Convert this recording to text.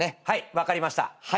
はい分かりました。